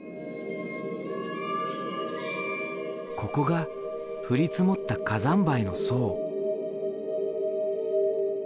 ここが降り積もった火山灰の層。